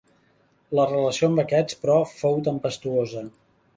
La relació amb aquests, però, fou tempestuosa.